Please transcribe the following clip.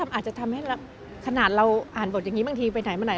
อาจจะทำให้ขนาดเราอ่านบทอย่างนี้บางทีไปไหนมาไหน